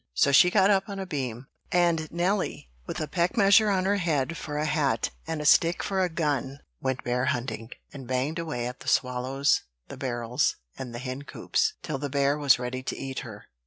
So she got up on a beam; and Nelly, with a peck measure on her head for a hat, and a stick for a gun, went bear hunting, and banged away at the swallows, the barrels, and the hencoops, till the bear was ready to eat her.